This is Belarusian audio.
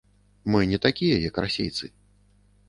Мы не такія як расейцы!